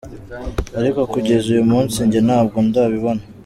Ariko kugeza uyu munsi njye ntabwo ndabibona.